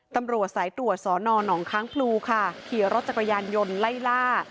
ตำรวจสายตรวจสนหนองค้างพลูค่ะขี่รถจักรยานยนต์ไล่ล่า